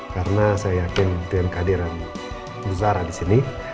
karena saya yakin dengan kehadiran pusara di sini